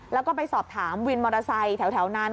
แล้วก็ไปสอบถามวินมอเตอร์ไซค์แถวนั้น